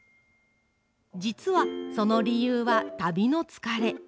実はその理由は旅の疲れ。